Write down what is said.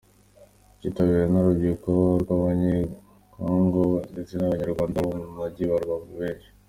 Cyitabiriwe n’urubyiruko rw’Abanyekongo ndetse n’Abanyarwanda bo mu mujyi wa Rubavu benshi.